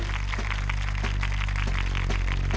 สวัสดีครับ